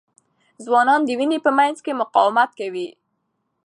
ځوانان د وینې په مینځ کې مقاومت کوي.